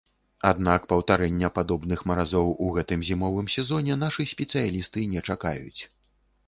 Аднак паўтарэння падобных маразоў у гэтым зімовым сезоне нашы спецыялісты не чакаюць.